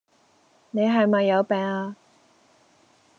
你係咪有病呀